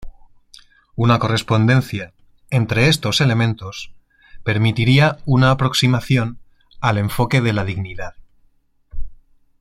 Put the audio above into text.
Una correspondencia entre estos elementos permitiría una aproximación al enfoque de la dignidad.